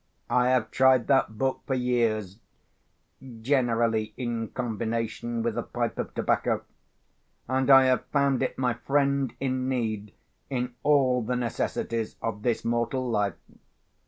I have tried that book for years—generally in combination with a pipe of tobacco—and I have found it my friend in need in all the necessities of this mortal life.